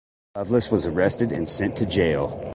Loveless was arrested and sent to jail.